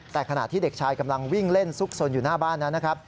แต่ขณะที่เด็กชายกำลังวิ่งเล่นซุกสนอยู่หน้าบ้านนั้นนะครับ